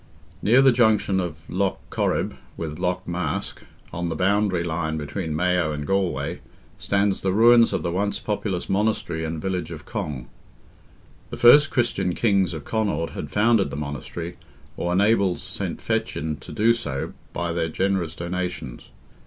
Near the junction of Lough Corrib with Lough Mask, on the boundary line between Mayo and Galway, stands the ruins of the once populous monastery and village of Cong. The first Christian kings of Connaught had founded the monastery, or enabled St. Fechin to do so by their generous donations.